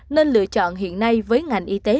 nên lựa chọn hiện nay với ngành y tế